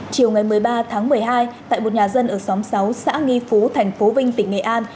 chiều ngày một mươi ba tháng một mươi hai tại một nhà dân ở xóm sáu xã nghi phú thành phố vinh tỉnh nghệ an